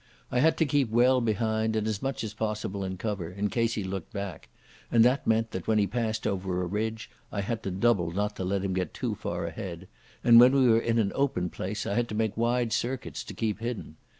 I had to keep well behind, and as much as possible in cover, in case he looked back; and that meant that when he had passed over a ridge I had to double not to let him get too far ahead, and when we were in an open place I had to make wide circuits to keep hidden.